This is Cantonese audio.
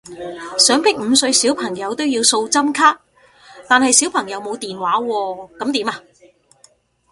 想逼五歲小朋友都要掃針卡，但係小朋友冇電話喎噉點啊？